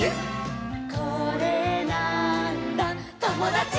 「これなーんだ『ともだち！』」